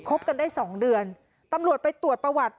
กันได้สองเดือนตำรวจไปตรวจประวัติ